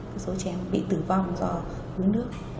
cái số trẻ em bị tử vong do đuối nước